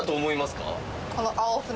この青船。